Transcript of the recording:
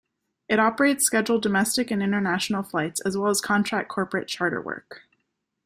It operates scheduled domestic and international flights, as well as contract corporate charter work.